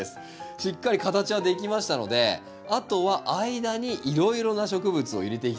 しっかり形はできましたのであとは間にいろいろな植物を入れていきたいんですよ。